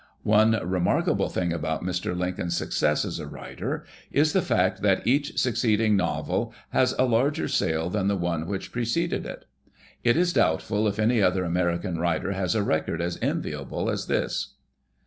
One re markable thing about Mr. Lincoln's success as a writer is the fact that each succeeding novel has a larger sale than the one which preceded it. It is doubtful if any other American writer has a record as enviable as this.